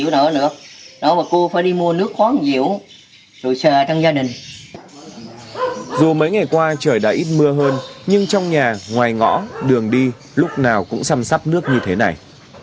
dù mấy ngày qua trời đã ít mưa hơn nhưng trong nhà ngoài ngõ đường đi lúc nào cũng xăm sắp nước như thế này